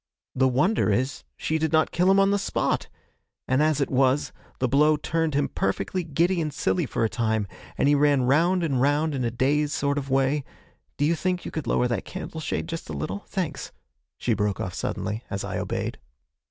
The wonder is she did not kill him on the spot, and, as it was, the blow turned him perfectly giddy and silly for a time, and he ran round and round in a dazed sort of way do you think you could lower that candle shade just a little? Thanks!' she broke off suddenly, as I obeyed.